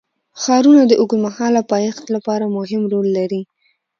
ښارونه د اوږدمهاله پایښت لپاره مهم رول لري.